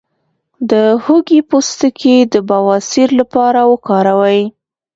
د هوږې پوستکی د بواسیر لپاره وکاروئ